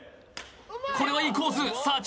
これはいいコースさあ